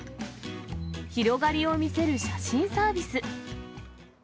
広がりを見せる写真サービス。